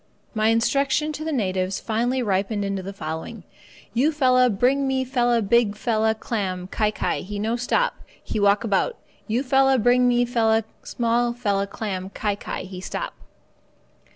My instruction to the natives finally ripened into the following "You fella bring me fella big fella clam—kai kai he no stop, he walk about. You fella bring me fella small fella clam—kai kai he stop."